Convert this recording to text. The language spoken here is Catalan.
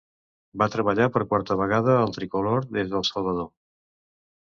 Va treballar per quarta vegada al "Tricolor" des del Salvador.